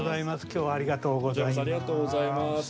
きょうはありがとうございます。